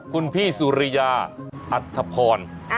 คุณพี่สุริยาอัสทภอน